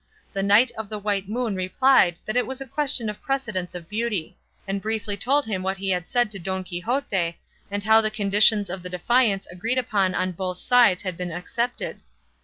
The Knight of the White Moon replied that it was a question of precedence of beauty; and briefly told him what he had said to Don Quixote, and how the conditions of the defiance agreed upon on both sides had been accepted.